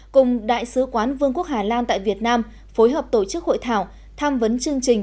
cùng đại sứ quán vương quốc hà lan tại việt nam phối hợp tổ chức hội thảo tham vấn chương trình